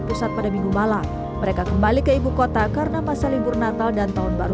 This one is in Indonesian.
pusat pada minggu malam mereka kembali ke ibu kota karena masa libur natal dan tahun baru